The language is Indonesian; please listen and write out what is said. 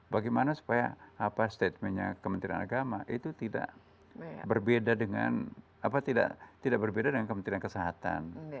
bagaimana supaya apa statementnya kementerian agama itu tidak berbeda dengan kementerian kesehatan